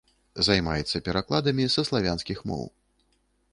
Займаецца перакладамі са славянскіх моў.